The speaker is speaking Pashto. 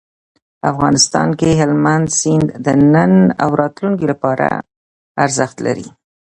افغانستان کې هلمند سیند د نن او راتلونکي لپاره ارزښت لري.